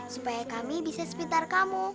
supaya kami bisa sepintar kamu